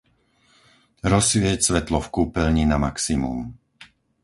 Rozsvieť svetlo v kúpeľni na maximum.